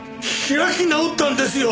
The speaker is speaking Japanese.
開き直ったんですよ